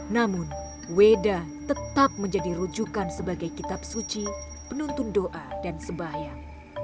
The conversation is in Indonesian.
namun weda tetap menjadi rujukan sebagai kitab suci penuntun doa dan sebayang